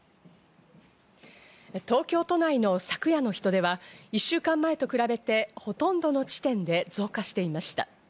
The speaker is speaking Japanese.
東京都内の昨夜の人出は１週間前と比べてほとんどの地点で増加していました。